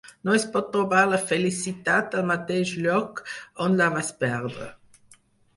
No es pot trobar la felicitat al mateix lloc on la vas perdre.